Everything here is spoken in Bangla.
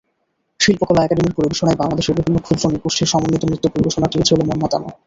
শিল্পকলা একাডেমীর পরিবেশনায় বাংলাদেশের বিভিন্ন ক্ষৃদ্র নৃ-গোষ্ঠীর সমন্বিত নৃত্য পরিবেশনাটিও ছিল মনমাতানো।